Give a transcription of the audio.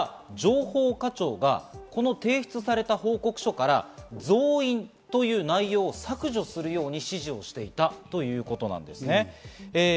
ただ情報課長がこの提出された報告書から増員とういう内容を削除するように指示をしていたということなんです。